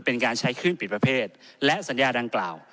เป็นการใช้ขึ้นปิดประเภทและสัญญาดังกล่าว